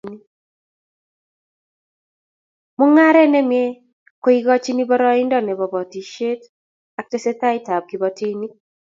Mungaret ne mie ko ikochin boroindo ne bo boisiet ak tesetab tai kiboitinikyik